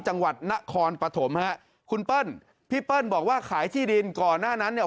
จังหวัดนครปฐมฮะคุณเปิ้ลพี่เปิ้ลบอกว่าขายที่ดินก่อนหน้านั้นเนี่ย